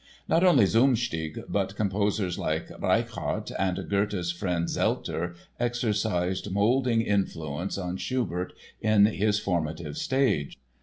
Not only Zumsteeg but composers like Reichhardt and Goethe's friend, Zelter, exercised moulding influences on Schubert in his formative stage.